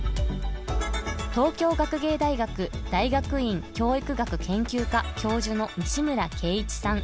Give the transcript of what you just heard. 東京学芸大学大学院教育学研究科教授の西村圭一さん。